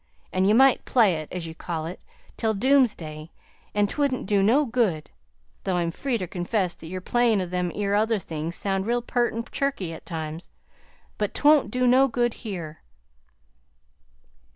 An' you might 'play it' as you call it till doomsday, an' 't wouldn't do no good though I'm free ter confess that your playin' of them 'ere other things sounds real pert an' chirky at times; but 't won't do no good here."